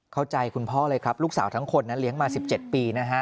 เข้าใจคุณพ่อเลยครับลูกสาวทั้งคนนั้นเลี้ยงมา๑๗ปี